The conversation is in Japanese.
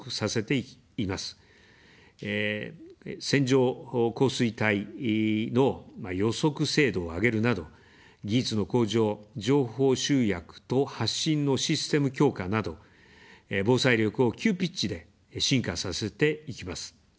線状降水帯の予測精度を上げるなど、技術の向上、情報集約と発信のシステム強化など、防災力を急ピッチで進化させていきます。